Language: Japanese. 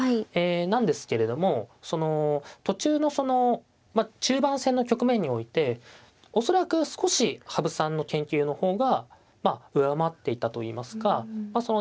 えなんですけれども途中のその中盤戦の局面において恐らく少し羽生さんの研究の方がまあ上回っていたといいますかまあ